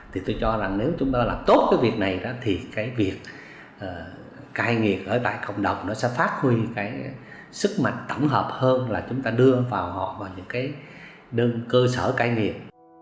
thì tôi cho rằng nếu chúng ta làm tốt cái việc này đó thì cái việc cai nghiện ở tại cộng đồng nó sẽ phát huy cái sức mạnh tổng hợp hơn là chúng ta đưa vào họ vào những cái cơ sở cai nghiện